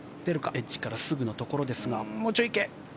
エッジからすぐのところですが。